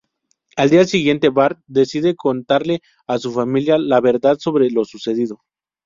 Al día siguiente Bart decide contarle a su familia la verdad sobre lo sucedido.